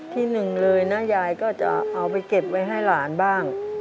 ที่หนึ่งเลยนะยายก็จะเอาไปเก็บไว้ให้หลานบ้าง